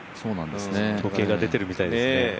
統計が出ているみたいですね。